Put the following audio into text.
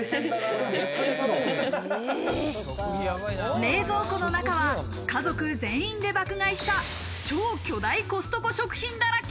冷蔵庫の中は家族全員で爆買いした超巨大コストコ食品だらけ。